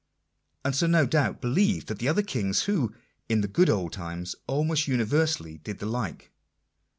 And so no doubt believed the other kings, who, in the " good old times," almost universally did the like.